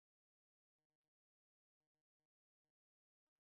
从一家成员公司提出最初的标准草案的提案到批准最终的标准。